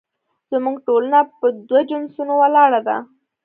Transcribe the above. زموږ ټولنه په دوو جنسونو ولاړه ده